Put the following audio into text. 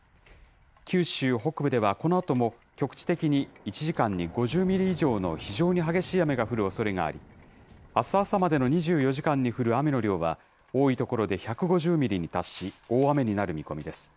九州北部ではこのあとも局地的に１時間に５０ミリ以上の非常に激しい雨が降るおそれがあり、あす朝までの２４時間に降る雨の量は、多い所で１５０ミリに達し、大雨になる見込みです。